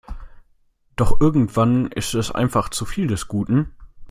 Doch irgendwann ist es einfach zu viel des Guten.